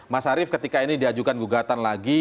mas arief ketika ini diajukan gugatan lagi